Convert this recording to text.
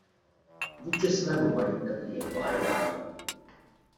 Vůči svému majiteli je loajální.